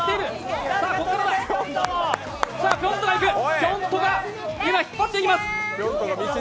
ぴょん兎が今、引っ張っていきます！